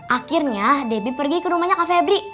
akhirnya debbie pergi ke rumahnya kak febri